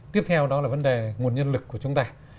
tiếp theo đó là vấn đề nguồn nhân lực của chúng ta